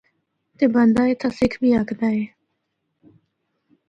تے بندہ اِتھا سکھ بھی ہکدا اے۔